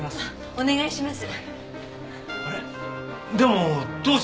お願いします。